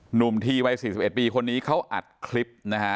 หนุ่มทีวัย๔๑ปีคนนี้เขาอัดคลิปนะฮะ